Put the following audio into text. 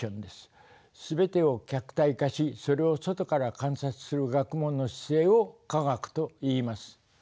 全てを客体化しそれを外から観察する学問の姿勢を科学といいます。